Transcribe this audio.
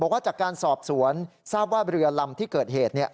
ว่าจากการสอบสวนทราบว่าเรือลำที่เกิดเหตุ